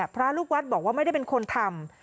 พระลูกวัดบอกว่าไม่ได้เป็นคนทำ